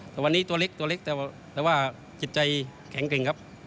แต่วันนี้ตัวเล็กตัวเล็กแต่ว่าจิตใจแข็งแกร่งครับ